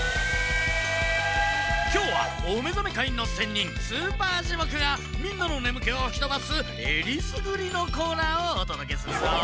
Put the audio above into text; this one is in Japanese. きょうはおめざめかいのせんにんスーパージュモクがみんなのねむけをふきとばすえりすぐりのコーナーをおとどけするぞ。